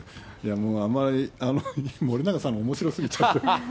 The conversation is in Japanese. もうあまり、森永さんのおもしろすぎちゃって。